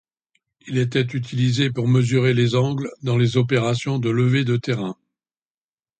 Il était utilisé pour mesurer les angles dans les opérations de levés de terrain.